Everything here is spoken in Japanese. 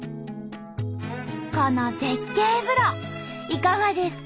この絶景風呂いかがですか？